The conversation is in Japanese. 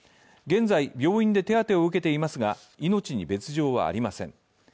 現在、病院で手当てを受けていますが、命に別状はありません。